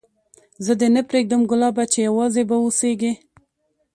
زه دي نه پرېږدم ګلابه چي یوازي به اوسېږې